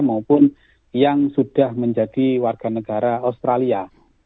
maupun yang sudah menjadi warga negara australia